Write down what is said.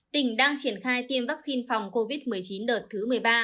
tỉnh đang triển khai tiêm vaccine phòng covid một mươi chín đợt thứ một mươi ba